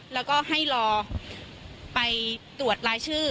แล้วก็ให้รอไปตรวจรายชื่อ